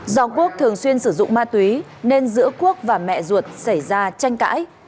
do quốc thường xuyên sử dụng ma túy nên giữa quốc và mẹ ruột xảy ra tranh cãi